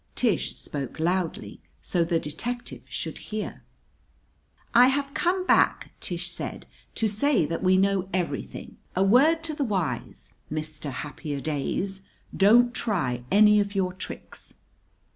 Tish spoke loudly, so the detective should hear. "I have come back," Tish said, "to say that we know everything. A word to the wise, Mister Happier Days! Don't try any of your tricks!"